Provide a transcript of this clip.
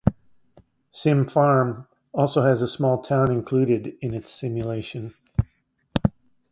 "SimFarm" also has a small town included in its simulation.